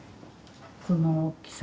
この大きさ。